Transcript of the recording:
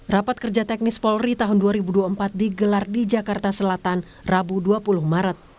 rapat kerja teknis polri tahun dua ribu dua puluh empat digelar di jakarta selatan rabu dua puluh maret